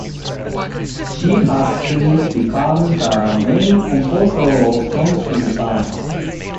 She has since become the main composer of songs in the band.